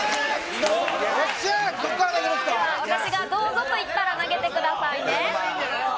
私がどうぞと言ったら、投げてくださいね。